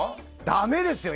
だめですよ！